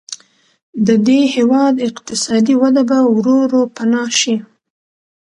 د دې هېواد اقتصادي وده به ورو ورو پناه شي.